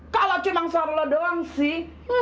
kalau cuman suara lo doang sih